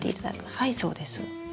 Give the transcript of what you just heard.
はいそうです。